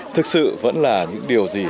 thực sự vẫn là những điều gì